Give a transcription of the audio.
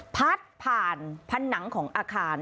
พัดผ่านผนังของอาคาร